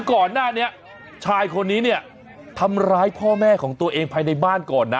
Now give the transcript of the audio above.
ก่อนหน้านี้ชายคนนี้เนี่ยทำร้ายพ่อแม่ของตัวเองภายในบ้านก่อนนะ